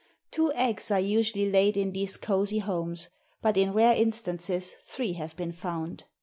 Two eggs are usually laid in these cozy homes, but in rare instances three have been found.